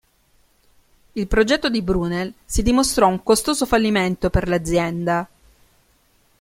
Il progetto di Brunel si dimostrò un costoso fallimento per l'azienda.